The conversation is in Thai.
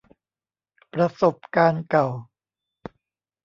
ประสบการณ์เก่า